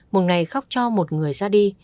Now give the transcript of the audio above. một ngày khóc cho một người ra đi